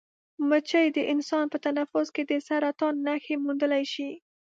مچۍ د انسان په تنفس کې د سرطان نښې موندلی شي.